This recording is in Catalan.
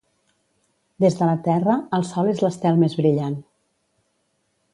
Des de la Terra, el Sol és l'estel més brillant.